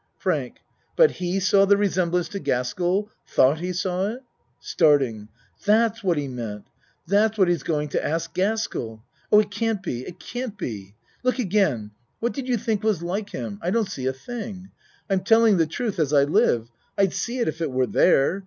FRANK But he saw the resemblance to Gas kell tho't he saw it? (Starting.) That's what he meant. That's what he's going to ask Gaskell. Oh, it can't be. It can't be! Look again. What did you think was like him? I don't see a thing. I'm telling the truth, as I live. I'd see it if it were there.